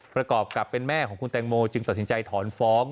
ประกอบกับเป็นแม่ของคุณแตงโมจึงตัดสินใจถอนฟ้อง